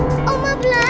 ada hantu oma belanda